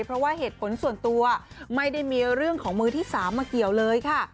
เพราะว่าเหตุผลส่วนตัวไม่ได้มีเรื่องของมือที่๓มาเกี่ยวเลยค่ะ